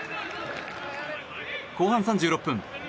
後半３６分。